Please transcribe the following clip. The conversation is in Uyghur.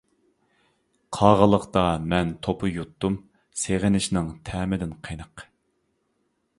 قاغىلىقتا مەن توپا يۇتتۇم سېغىنىشنىڭ تەمىدىن قېنىق.